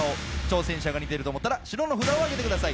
挑戦者が似てると思ったら白の札挙げてください。